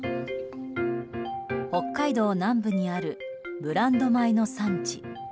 北海道南部にあるブランド米の産地。